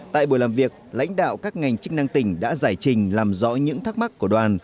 tại buổi làm việc lãnh đạo các ngành chức năng tỉnh đã giải trình làm rõ những thắc mắc của đoàn